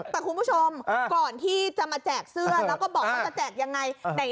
แต่คุณผู้ชมก่อนที่จะมาแจกเสื้อแล้วก็บอกว่าจะแจกยังไง